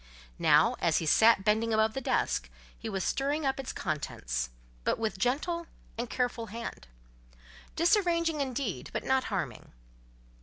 Now, as he sat bending above the desk, he was stirring up its contents; but with gentle and careful hand; disarranging indeed, but not harming.